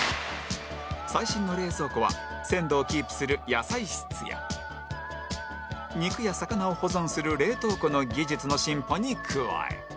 最新の冷蔵庫は鮮度をキープする野菜室や肉や魚を保存する冷凍庫の技術の進歩に加え